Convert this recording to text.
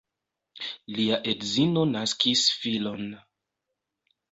Lia edzino naskis filon.